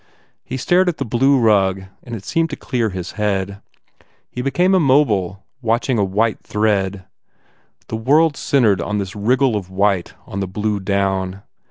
He stared at the blue rug and it seemed to clear his head. He became immobile, watch ing a white thread. The world centred on this wriggle of white on the blue down.